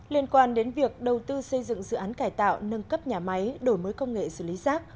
liên quan đến việc đầu tư xây dựng dự án cải tạo nâng cấp nhà máy đổi mới công nghệ xử lý rác